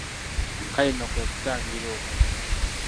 Kale nno kwe kutangira okwo.